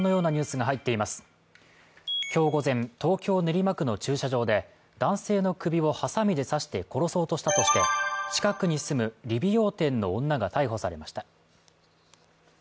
今日午前、東京・練馬区の駐車場で男性の首をはさみで刺して殺そうとしたとして、近くに住む理美容店の女が逮捕されました。